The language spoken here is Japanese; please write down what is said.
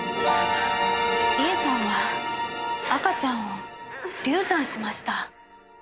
理恵さんは赤ちゃんを流産しました。